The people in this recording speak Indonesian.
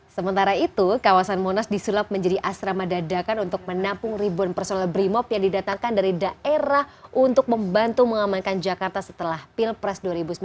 sementara itu kawasan monas disulap menjadi asrama dadakan untuk menampung ribuan personal brimob yang didatangkan dari daerah untuk membantu mengamankan jakarta setelah pilpres dua ribu sembilan belas